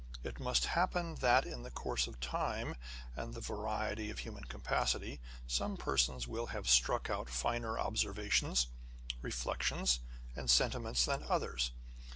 It must happen that, in the course of time and the variety of human capacity, some persons will have struck out finer observations, reflections, and sentiments than others.